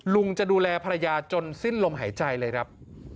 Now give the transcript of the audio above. จะดูแลภรรยาจนสิ้นลมหายใจเลยครับ